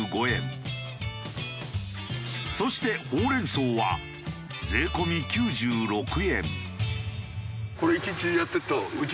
そしてほうれん草は税込み９６円。